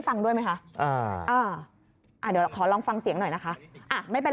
ฟังด้วยไหมคะเดี๋ยวขอลองฟังเสียงหน่อยนะคะไม่เป็น